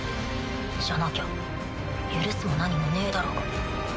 じゃなきゃ許すも何もねぇだろうが。